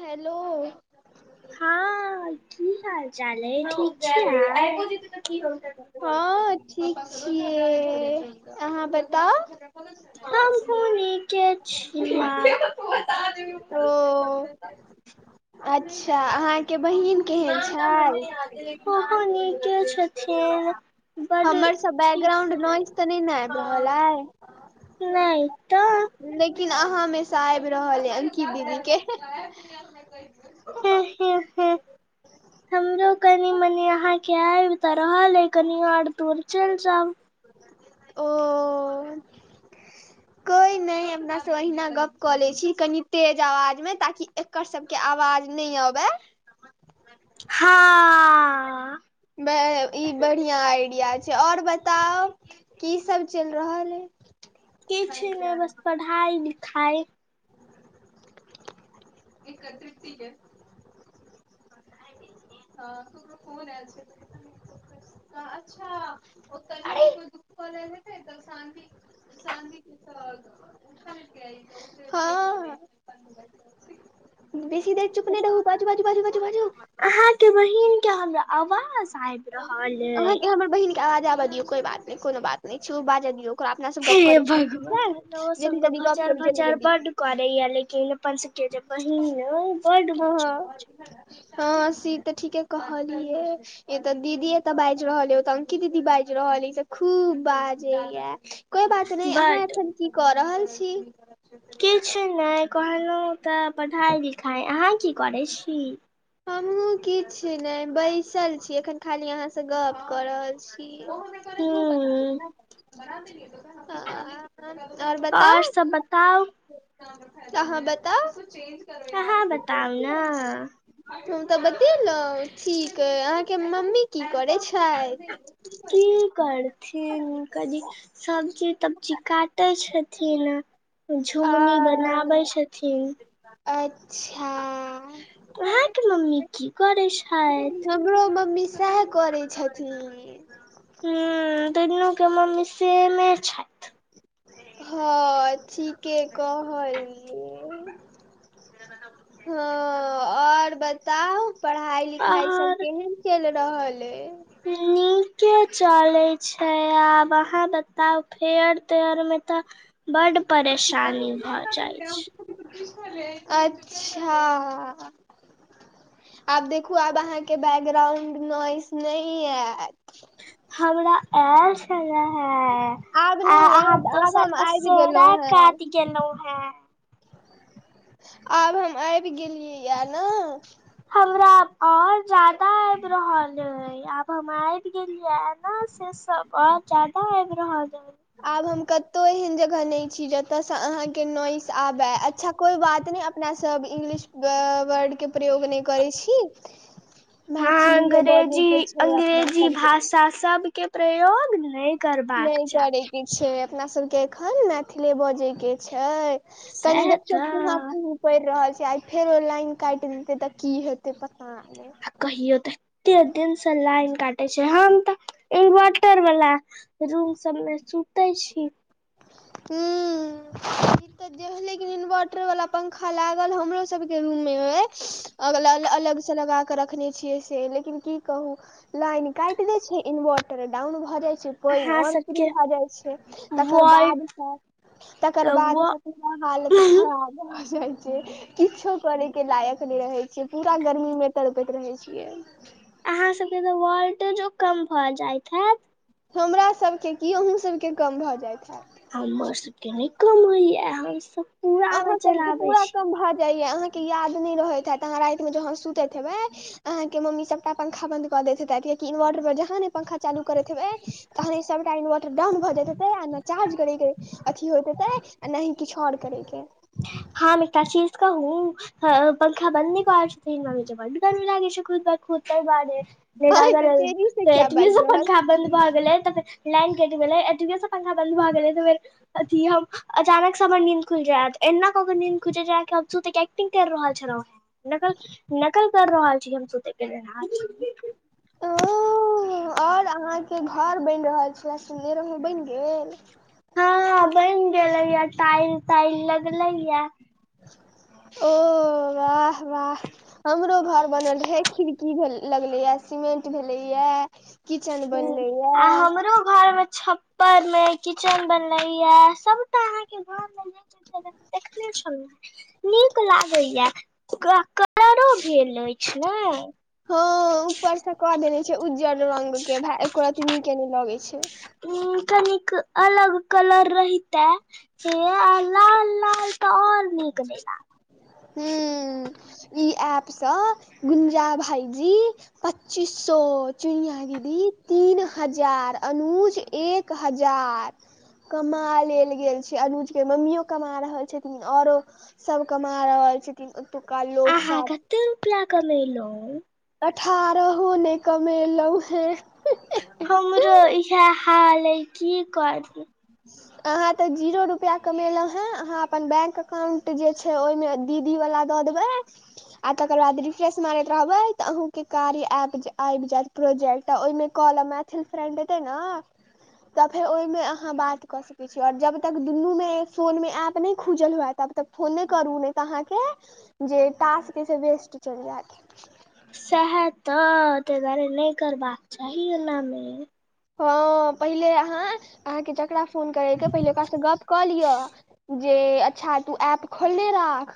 Hello हँ की हाल चाल अइ ठिक छी नऽ हँ ठीक छियै अहाँ बताउ हमहुँ नीके छिया ओ अच्छा अहाँकेँ बहिन केहन छै ओहो नीके छथिन बड हमर सब ठीक बैकग्राउंड भेलै नॉइज तऽ नय नऽ आबि रहल अइ नय तऽ लेकिन अहाँ मे सँ आइब रहल य अंकि दीदीे हे हे हमरो कनी मनी आहाँकेँ आइब तऽ रहल अय कनि आओर दूर चैल जाउ ओ कोइ नय अपना सब अहिना गप कऽ ले छी कनि तेज आवाज मे ताकि एकर सब केँ आवाज नय अबै हँ ब - ई बढ़िया आइडिया छै आओर बताउ की सब चैल रहल ए किछ नय बस पढ़ाइ लिखाइ एकर [unintelligible] केँ हँ केकरो फोन एल छेलै तऽ अच्छा ओतऽ नय दुख खोल्ल हेतै तऽ शन्ती चाँदी [unintelligible] उठके अइतै हँ बेसी देर चुप नय रहु बाजू - बाजू, बाजू - बाजू बाजू अहाँ केँ बहिन केँ हमरा आवाज आय अहाँकेँ हमर बहिन केँ आवाज आबऽ दियौ कोई बात नय कोनो बात नय छै ओ बाजऽ दियौ ओकरा अपना से गप हे करै छी ठीक छै भगवान जल्दी - जल्दी गप करू जल्दी - जल्दी करे यऽ लेकिन अपन सबके जे बहिन बड्ड हँ [unintelligible] हँ सी तऽ ठीके कहलियै ई तऽ दीदी एतऽ बाजि रहल ए एअंकी दीदी बाजि रहल ए ई सब खूब बाजैय य कोइ बत नइ अहाँ बड्ड एखैन की कऽ रहल छी किछु नय कहलहुँ तऽ पढ़ाइ लिखाइ अहाँ की करै छी हमहुँ किछ नय बैसल छी एखन खाली अहाँ सँ गप कऽ रहल छी हूँ छी आ [unintelligible] हँ आओर बताउ सब बताउ तऽ अहाँ बताउ अहाँ बताउ नऽ हम तऽ बतेलहुँ ठीक एय अहाँकेँ मम्मी की करै छैथ की करथिन कनी सब्जी तब्जी काटै छथिन आ झुमनी बनाबै छथिन अच्छा अहाँकेँ मम्मी की करै छेथ हमरो मम्मी सैह करै छथिन हँ दुनू केँ मम्मी सेमे छैथ हँ ठीके कहलियै हँ आओर बताउ पढ़ाइ लिखाइ सब आर केहन चल रहल अय ठीके चले छै आब अहाँ बताउ फेयर तेयर में तऽ बड्ड परेशानी भऽ जाइ छै अच्छा आब देखू आब अहाँ के बैकग्राउंड नॉइस नै आयत हमरा आयल छले हें आब आ नहि य अहाँ तऽ आब हम दोसर आबि असोरा गेलहुं हें कात गेलहु हें आब हम आबि गेलियैए ने हमरा आब और जादा आबि रहल ऐ आब हम आबि गेलिये न से स बाउ ज्यादा आबि रहल हे आब हम कतो एहन जगह नहि छी जतय से अहाँके नॉइस आबय अच्छा कोइ बात नै अपना सब इंग्लिश वर्ड के प्रयोग नय करै छी हँ मैथिलीेये बजै के छै अपना सबके तऽ सब के प्रयोग नै नय करै के छै अपना सब के एखन मैथिली बजै के छय तनी सएह देखियौ फुहा तऽ फू परि रहल छै आइ फेरो लाइन काटि देतै तऽ की हेतै पता नै आ कहियो तऽ एते दिन से लाइन काटझ छै हम तऽ इन्वर्टर वाला रूम सबमे सुतै छी हूं जे होय लेकिन इन्वर्टर वाला पंखा लागल हमरो सबके रूम मे होए अगलल अलग से लगा कऽ रखने छियै से लेकिन की कहू लाइन काटि दै छै इनवर्टर डाउन भऽ जाइ छै पाइन अहाँ और शुरू सबके भऽ जाइ छै तकर वोल्ट बाद तकर बाद व से पूरा हालत अहाँ खराब भ जाइ छै किछो करैके लायक नहि रहैत छियै पूरा गर्मीमे तड़पैत रहैत छियै। अहाँ सबके तऽ वोल्टेजो कम भऽ जायत हैैत। हमर सभके की अहूँ सभ के कम भऽ जाइत हैत। हमर सभके नय कम होइए हम सभ अहाँ सबके पूरा कम भऽ जाइये अहाँ के याद नय रहैत हैत अहाँ राति मे जहा सुतैत हेबै अहाँके मम्मी सभटा पंखा बन्द कऽ दैत हेतथि कियाकि इन्वर्टर पर जहाँ ने पंखा चालू करैत हेबै तहय ई सभटा इन्वर्टर डाउन भऽ जायत हेतै आ ने चार्ज करैके अथी होयत हेतै नहि किछु ओर करैके हम एकटा चीज कहू पंखा बन्द नै कऽ पाबै छथिन मम्मी के बड गरमी लागै छै खुद ब खूद तैं दुवारे नय अहाँ अगर एते तेजी से किया बैटरी से बाजि रहल पंखा बन्द भऽ गेलै तऽ लाइन कटि गेलै आ टीभी सब पंखा बन्द भऽ गेलै तऽ फेर अथी हम अचानक स हमर नीन्द खुलि जायत एना नींद खुजि जायते हम सुतैके एक्टिंग कऽ रहल छलौ हे नकल नकल कऽ रहल छी हम सुतै के ओ ओं और अहाँके घर बनि रहल छले सुनने रहौं बनि गेल हँ बन गेलैये टाइल ताइल लगलैये ओ वाह वाह हमरो घर बनल रहै खिड़की लगलैये सीमेंट भेलै ये हूॅं आ हमरो घरमे छप उपरमे किचेन बनलैया सबटा अहाँके घर बन देखने छलहूँ नीक लागै या ओकरा कलरो भेल अछि ने हाँ उपर से कऽ देने छै उज्जर रंगके भए एको रती नीकेने लगै छै उ कनिक अलग कलर रहिताए से आ लाल लाल तऽ आओर नीक नहि ला हूँ इ एप सँ गुंजा भाईजी पच्चीस सो चिड़िया दीदी तीन हजार अनुज एक एक हजार कमा लेल गेल छै अनुज के मम्मियो कमा रहल छथिन आओरो सब कमा कमा रहल छथिन ओतूका लोक सब तु रुपआ कमेलहूँ अठारहो नहि कमेलहुँ हेँ हमरो इहै हाल हइ कि करु अहाँ तऽ जीरो रुपआ कमेलहूँ हेँ अहाँ अपन बैंक अकाउंट जे छै से ओहिमे दीदी वला दऽ देबै आ तकर बाद रिफ्रेश मारैत रहबै तऽ अहूँके कार्य ऐप्प आबि जाएत प्रोजेक्ट ओहिमे कहल मैथिल फ्रेंड एतेने तऽ फेर ओहिमे अहाँ अहाँ बात कऽ सकैत छी आओर जब तक दुनूमे फोनमे एप नहि खुजल हुएा तब तक फोन नइ करू ने तऽ नै तऽ अहाँके जे टास्क जे छै वेस्ट चलि जाएत सहाए तऽ तेहि दुआरे नहि करबाक चाही एनामे हाँ पहिले अहाँ अहाँके जकरा फोन करैके पहिले ओकरासँ गप्प कऽ लिअ जे अच्छा तू ऐप खोलले राख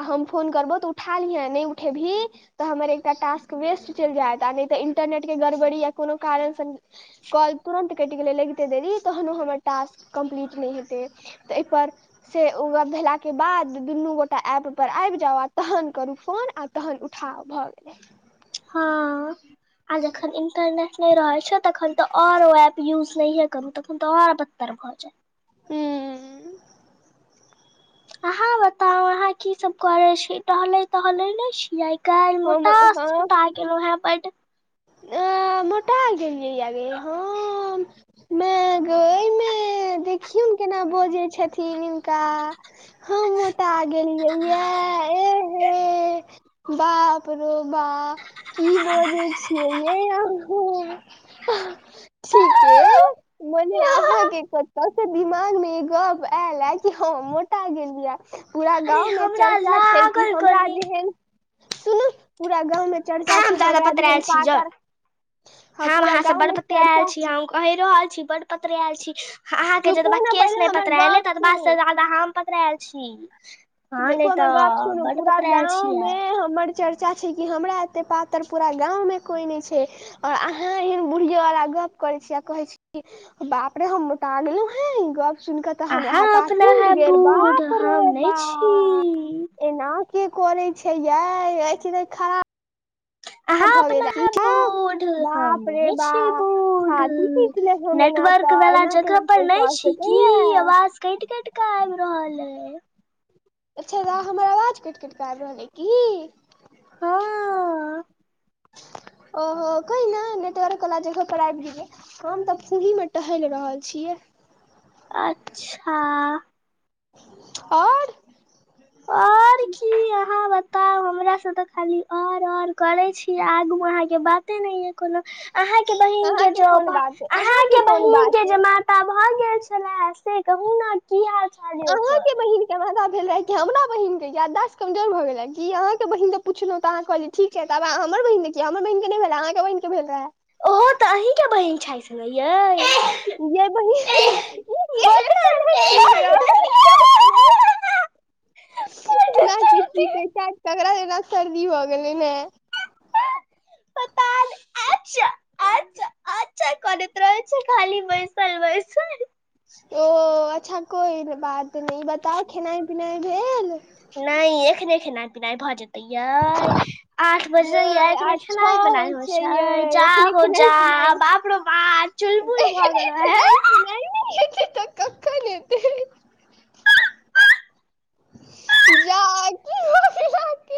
आ हम फोन करबहु तऽ उठा लिहें नहि उठेबहिं तऽ हमर एकटा टास्क वेस्ट चलि जाएत आ नहि तऽ इंटरनेटके गड़बड़ी या कोनो कारणसँ कॉल तुरन्त कटि गेलै लगितै देरि तहन हमर ओ टास्क कम्प्लीट नहि हेतै तऽ एहिपर से ओ भेलाके बाद दुनू गोटा ऐप पर आबि जाउ आ तहन करू फोन आ तहन उठाव भऽ गेलै हाँ आज एखन इन्टरनेट नै रहै छै तखन तऽ आओर ओ ऐप यूज नहि करतौ तखन तऽ आओर बदत्तर भऽ जाएत हूँ अहाँ बताउ अहाँ की सब करै छी टहले तहले नै छियै काल्हि हम मोटा सोटा गेलो हें बड्ड अंय मोटा गेलियै या हम माअ गै माअ देखियौन केना बजै छथिन हिनका हम मोटा गेलियै या एहे -हे बाप रो बाप की बाजै छी हे यैए अहाँ ठीके मने अहाँके अरे कतौसँ दिमागमे ई गप आएल या कि हम मोटा गेलियै पूरा गाँवमे हमरा चर्चा छै की लागल हमरा कनी जेहन सुनूऽ पूरा गाँवमे चर्चा छै हम जादा हमरा जेहन पतरायल पातर हँ हम पूरा अहाँ से गाँव बड़ मे पतरैल चर्चा छी छै हम कहि रहल छी बड पत्रेआएल छी अहाँ के जतबा चुपू ने केस पहिले नहि हमर पत्रराेएल यै गप ततबा से सुनू जादा हम पतराएल छी हँ नहि देखो तऽ नै गप सुनू बड्ड पूरा पतरायल छी गाँंव आइ मे हमर चर्चा छै कि हमरा एते पातर पुरा गाँव मे कोइ नय छैय ओर अहाँ एहन बुढ़ियेवला गप्प करैत छी आ कहै छी की बाप रे हम मोटा गेलो हैं गप सुन कऽ तऽ हमरा अहाँ अपना हतासी उठि है गेल बूढ बाप हम रे नय छी बाप एना के करे छै ये ऐठिन खरा अहाँ अपना हैब बूढ़ हम बाप रे नय छी बाप बूढ़ छाती पीट लेब हम एना नेटवर्क तऽ वला एना केना जगह पर कोइ नइ कऽ छी कि सकैये आवाज कैट कैट का आब रहल ऐ अच्छा हमर आवाज काट कट कऽ आब रहल अइ की हाँ ओहो कहिने नेटवर्क वला जगह पर आइब गेलिय हम तऽ फूही मे टहेल रहल छियै अच्छा ओर और की अहाँ बताउ हमरा से तऽ खाली ओर ओर करे छी आगू अहाँ के बात बाते नइया कोनो अहाँके बहिन के अहाँके जो कोन बात अइ अहाँके कोन बहिन के बात जो अइ मारत सा भाग्या छलए से कहु ने की हाल चाल य ओकर अहाँके बहिन दरभंगा भेल रहे कि हमरा बहिन के याददाश्त कमजोर भ गेलै कि अहाँ के बहिन दे पुछलो तऽ अहाँ कहलिय ठीक है तब हमर बहिन ने कीया हमर बहि के नय भेलै अहाँके बहिने भेल रहै ओहो तऽ अहींके बहिन छैथ न यै ये बड बहिन सर्दी भ ई गेलै [unintelligible] बड एना कि सर्दी छीके छैथ तगरा जेना सर्दी भ गेलै है चा आ चा आ चा करैत रहै छै खाली बैशल बैसल ओ अच्छा कोई बात नय बताउ खेनाइ पिनाइ भेल नय एखने खेनाइ पिनाइ भऽ जेतै ये आठ यै बजइए ऐखने आठ छओ खनाइ पिनाय होइ छै यै छ्य जा एखने हो खेनाइ जा पिनाइ बापरो बाप चुलबुल भ गेल है [unintelligible] नय तऽ कख ऐतै जा की भऽ गेल अहाँके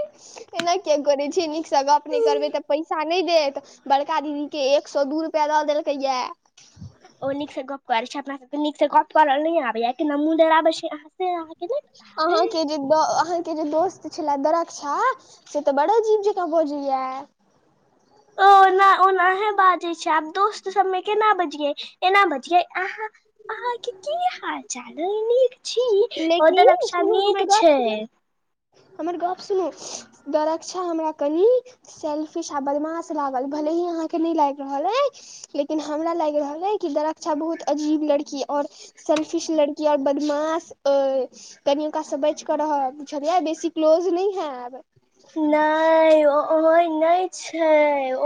एना कीया करै छीय नीकसँ गप नय करबै तऽ पैसा नय देत बड़का दीदी के एक सए दू रुपआ दऽ देलकै यए ओ नीक से गप करे छै अपना सबके नीक से गप करल नय आबे या केना मुन ल आबे छै अहाँ से अहाँके नै पता अइ अहोँ के जे अहाँके जे दोस्त छले दरक्षा से तऽ बड़ अजीव जकाँ बजैया ह ओना [inaudible] ओनाहे बाजै छै आब दोस्त सबमे केना बजिये एना बजिये अहाँ अहाँके की हाल चाल एय नीक छी ओ लेकिन दरक्षा सुनू हमर नीक गप छै सुनू हमर गप सुनू दरक्षा हमरा कनी सेल्फीश आ बदमाश लागल भले ही अहाँ के नइ लाग रहल हय लेकिन हमरा लाइग रहल है कि दरक्षा बहुत अजीब लड़की और सेल्फिश लड़की और बदमाश अऽ कनि ओकास से बच के रह बुझलिय क्लोज नय हैब न ओ हं ने छै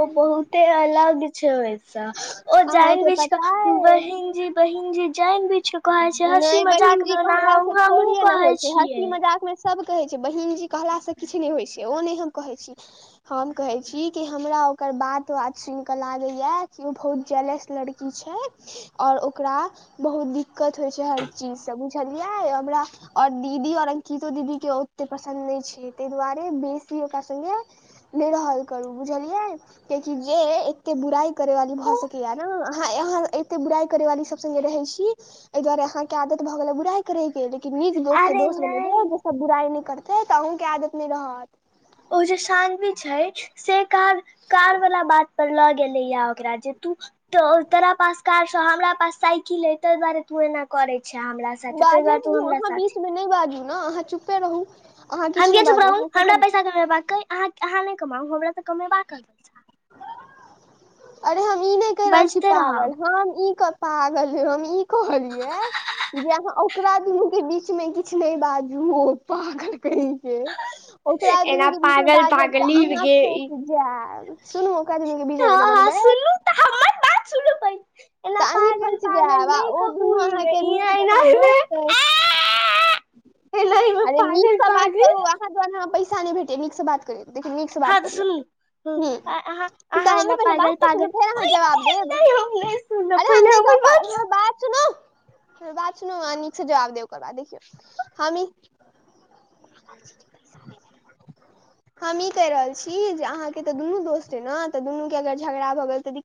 ओ बहुते अलग छै ओ जैन अहाँके बीछ पता कऽ अइ बहिन जी बहिन जी जैन बीछ कऽ कहै छै हँसी नहि बहिन मजाक जी मे ओना कहलाास सऽ हमहुँ थोड़े ने होइ कहै छै हँसी छियै मजाक मे सभ कहै छै बहिन जी कहलाास से किछु नहि होइ छै ओ नहि हम कहै छी हम कहे छी कि हमरा ओकर बात बात सुन कऽ लागे या कि ओ बहुत जलस लड़की छै और ओकरा बहुत दिक्कत होइ छै हर चीज सऽ बुझलियै हमरा आओर दीदी आओर अंकितो दीदी के ओते पसन्द नहि छै ताहि दुआरे बेसी ओकरा स्गे नहि रहल करू बुझलियै कियकि जे एते बुराई करे वाली भऽ सकैया नऽ अहाँ अहाँ एते बुराई करे वाली सब सगे रहै छी एहि दुआरे अहाँके के आदत भऽ गेलै बुराई करे के लेकिन नीक लोकोग के अरे दोष बने नहि सब बुराइ नहि करतै तऽ अहूँके आदत नहि रहत ओ जे शानवी छै से कार कार वालला बात पर लऽ गेलैया ओकरा जे तू तो तोरा पास कार छो हमरा पास साइकिल ह ताहि दुआरे तू एना करे छे हमरा तैय ते दुआरे बाजैत तू हमरा अहाँ साथै बीचमे नहि बाजू नऽ अहाँ चुपे रहू अहाँ हम किछु के नहि चुप बाजू रहु अहाँके हमरा तऽ पैसा कमेबाकाे अहाँ नहि कमाउ हमरा तऽ कमेबा करत [inaudible] अरे हम ई नहि कहि रहल छी बजते पागल रहब हम ई पागल ह हम ई कहलियै जे अहाँ आउक ओकरा दुनू कऽ बीच में किछु नहि बाजू ओ पागल कहि के ओकरा दुनु एना के बीच मे पागल बाजब तऽ पागली अहाँ गे ई फँसि जायब सुनू ओकरा दुनु के बीच मे बज हँ बजबै सुनू तऽ हमर बात सुनु पय तऽ अहीं फँस जायब आ ओ कहू दुनू अहाँके एना नीक जकाँ एनाहिमे दोस्त अइ एनाहिमे अरे पागल नीकसँ बात पागल करू अहाँ द्वारा पैसा नहि भेटै नीकसँ बात करे देखौ नीक सऽ बात करियौ हू हूँ अहाँ तऽ हमर अहाँ पहिले बात पागल तऽ सुनू पागल फेर अहाँ जवाब देब [unintelligible] अरे हम पहिले नहि कहब हमर पागल [unintelligible] बात सुनु हमर बात सुनु अहाॅ नीक से जबाब देब ओकर बाद देखियौ हॅ नीक [unintelligible] [inaudible] हम ई कहि रहल छी जे अहाँ के तऽ दुनु दोस्त अहि न तऽ दुनू के अगर झगड़ा भऽ गेल तऽदिक